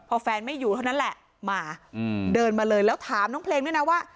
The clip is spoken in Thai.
พอแฟนไม่อยู่เท่านั้นแหละมาเดินมาเลยแล้วถามน้องเพลงด้วยนะว่า